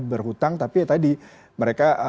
berhutang tapi tadi mereka